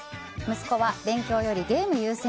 息子は勉強よりゲーム優先。